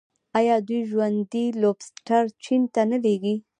آیا دوی ژوندي لوبسټر چین ته نه لیږي؟